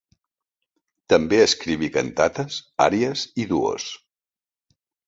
També escriví cantates, àries i duos.